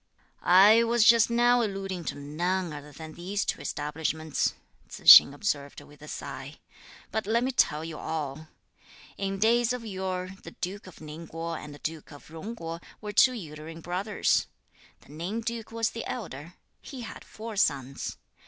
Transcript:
"I was just now alluding to none other than these two establishments," Tzu hsing observed with a sigh; "but let me tell you all. In days of yore, the duke of Ning Kuo and the duke of Jung Kuo were two uterine brothers. The Ning duke was the elder; he had four sons.